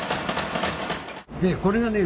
これがね